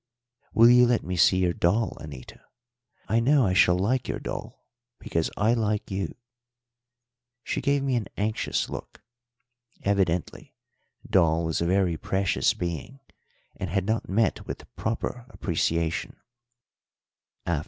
"Will you let me see your doll, Anita? I know I shall like your doll, because I like you." She gave me an anxious look. Evidently doll was a very precious being and had not met with proper appreciation.